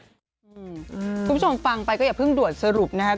คุณผู้ชมฟังไปก็อย่าเพิ่งด่วนสรุปนะครับ